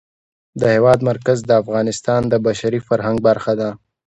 د هېواد مرکز د افغانستان د بشري فرهنګ برخه ده.